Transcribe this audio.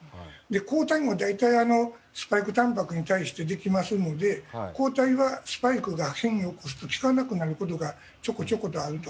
抗体も大体スパイクたんぱくに対してできますので抗体はスパイクが変異を起こすと効かなくなることがちょこちょことあると。